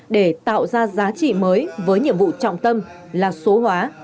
để tạo ra giá trị mới với nhiệm vụ trọng tâm là số hóa